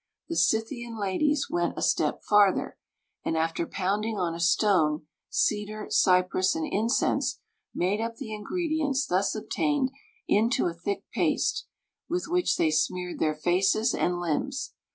The Scythian ladies went a step farther, and after pounding on a stone cedar, cypress, and incense, made up the ingredients thus obtained into a thick paste, with which they smeared their faces and limbs.